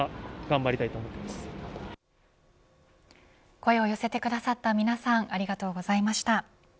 声を寄せてくださった皆さんありがとうございました。